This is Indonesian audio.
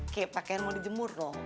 kayak pakaian mau dijemur dong